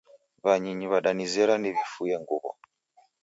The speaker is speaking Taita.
W'anyinyu w'adanizera niw'ifuye nguw'o